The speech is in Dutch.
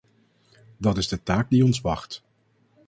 Dat is de taak die ons wacht.